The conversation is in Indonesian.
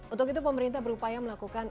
untuk itu pemerintah berupaya melakukan